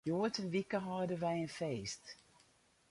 Hjoed in wike hâlde wy in feest.